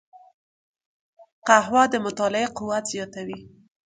قهوه د مطالعې قوت زیاتوي